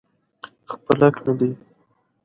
خپل حق مې دى.